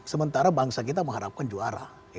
sementara bangsa kita mengharapkan juara